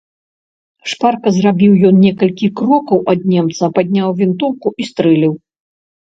Шпарка зрабіў ён некалькі крокаў ад немца, падняў вінтоўку і стрэліў.